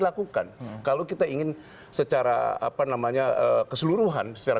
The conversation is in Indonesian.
dari kelompok delapan puluh lima dan juga